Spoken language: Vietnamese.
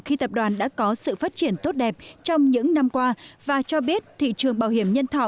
khi tập đoàn đã có sự phát triển tốt đẹp trong những năm qua và cho biết thị trường bảo hiểm nhân thọ